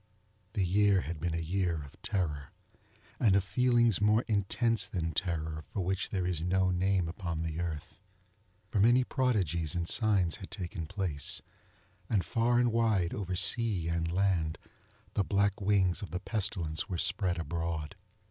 The year had been a year of terror, and of feelings more intense than terror for which there is no name upon the earth. For many prodigies and signs had taken place, and far and wide, over sea and land, the black wings of the Pestilence were spread abroad.